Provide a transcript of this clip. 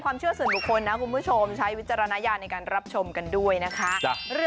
ความเชื่อส่วนบุคคลนะคุณผู้ชมใช้วิจารณญาณในการรับชมกันด้วยนะคะ